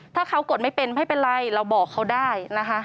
ถ้าเขากดไม่เป็นไม่เป็นไรเราบอกเขาได้นะคะ